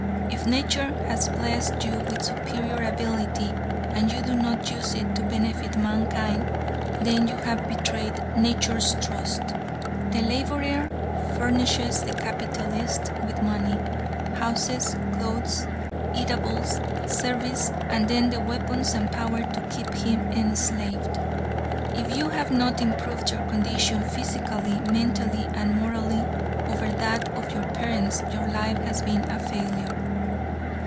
If nature has blessed you with superior ability and you do not use it to benefit mankind, then you have betrayed nature's trust. The laborer furnishes the capitalist with money, houses, clothes, eatables, service and then the weapons and power to keep him enslaved. If you have not improved your condition physically, mentally and morally over that of your parents, your life has been a failure.